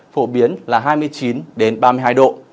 phổ biến là hai mươi chín ba mươi hai độ